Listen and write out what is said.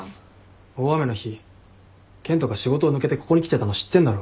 大雨の日健人が仕事を抜けてここに来てたの知ってんだろ。